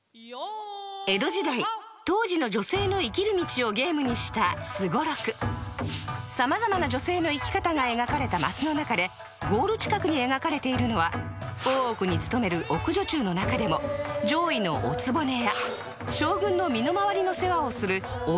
江戸時代当時のさまざまな女性の生き方が描かれたマスの中でゴール近くに描かれているのは大奥に勤める奥女中の中でも上位のお局や将軍の身の回りの世話をするお中老など。